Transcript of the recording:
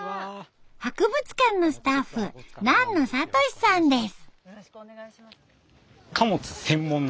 博物館のスタッフ南野哲志さんです。